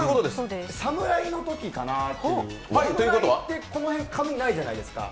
侍のときかなっていう、侍ってこの辺、髪ないじゃないですか。